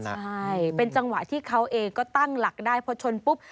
ใช่เป็นจังหวะที่เขาเองก็ตั้งหลักได้พอชนปุ๊บ